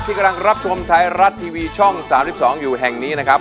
กำลังรับชมไทยรัฐทีวีช่อง๓๒อยู่แห่งนี้นะครับ